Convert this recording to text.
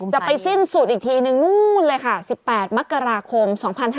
จะไปสิ้นสุดอีกทีนึงนู่นเลยค่ะ๑๘มกราคม๒๕๕๙